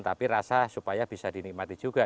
tapi rasa supaya bisa dinikmati juga